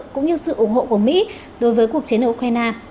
cũng như sự ủng hộ của mỹ đối với cuộc chiến ở ukraine